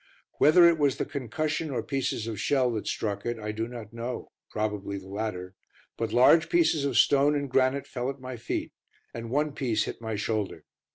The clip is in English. Whether it was the concussion or pieces of shell that struck it, I do not know probably the latter but large pieces of stone and granite fell at my feet, and one piece hit my shoulder.